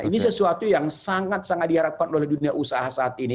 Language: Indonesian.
ini sesuatu yang sangat sangat diharapkan oleh dunia usaha saat ini